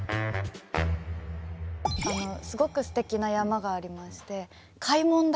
すごくすてきな山がありまして開聞岳。